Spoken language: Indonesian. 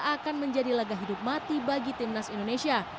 akan menjadi laga hidup mati bagi tim nas indonesia